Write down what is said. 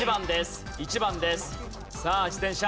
さあ自転車。